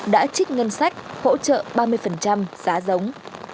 đã trích ngân sách hỗ trợ ba mươi giá giống